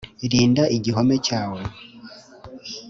Rinda igihome cyawe